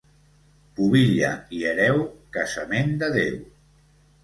Pubilla i hereu: casament de Déu.